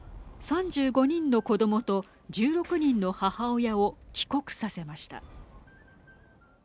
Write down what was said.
３５人の子どもと１６人の母親を帰国させました。